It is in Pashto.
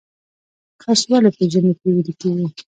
خرس ولې په ژمي کې ویده کیږي؟